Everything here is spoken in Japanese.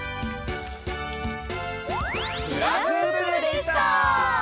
フラフープでした！